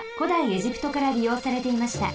エジプトからりようされていました。